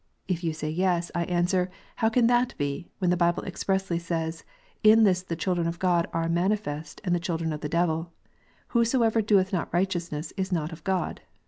If you say Yes, I answer, How can that be, when the Bible says expressly, " In this the children I of God are manifest and the children of the devil ; whosoever doeth not righteousness is not of God"?